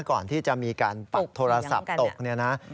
ก่อนที่จะมีการปัดโทรศัพท์ตกเนี่ยนะ